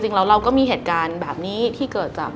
เราก็มีเหตุการณ์แบบนี้ที่เกิดจาก